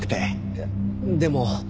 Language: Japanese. いやでも。